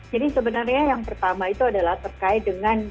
jadi sebenarnya yang pertama itu adalah terkait dengan